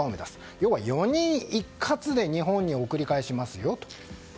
要は４人一括で日本に送り返しますよ